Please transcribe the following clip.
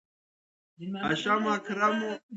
هغه د ایران آزادو ټاکنو لپاره ملاتړ کوي.